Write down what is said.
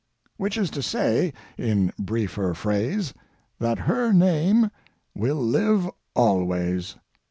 Which is to say, in briefer phrase, that her name will live always.